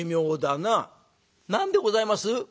「何でございます？」。